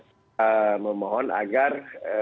kita memohon agar